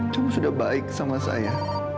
cuma sudah baik sama saya